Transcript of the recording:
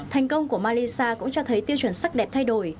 thành công của malisa cũng cho thấy tiêu chuẩn sắc đẹp thay đổi